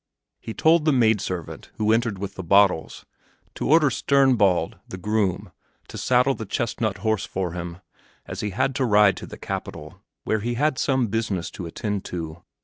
He told the maid servant who entered with the bottles, to order Sternbald, the groom, to saddle the chestnut horse for him, as he had to ride to the capital, where he had some business to attend to.